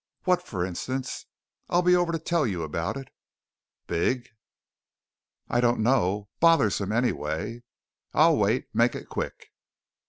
"What, for instance?" "I'll be over to tell you about it." "Big?" "I don't know. Bothersome, anyway." "I'll wait. Make it quick."